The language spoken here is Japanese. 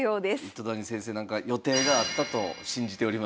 糸谷先生なんか予定があったと信じております。